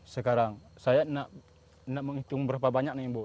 sekarang saya tidak menghitung berapa banyak nih bu